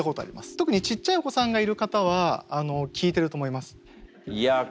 特にちっちゃいお子さんがいる方は聴いてると思います。